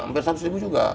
hampir seratus ribu juga